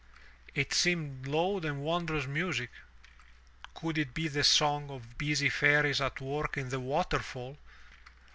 it seemed low and wondrous music. Could it be the song of busy fairies at work in the waterfall?